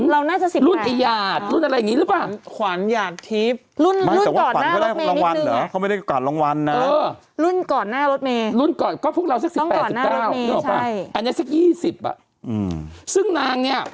น่าจะ๑๐รุ่นไอ้หยาดรุ่นอะไรอย่างนี้หรือเปล่า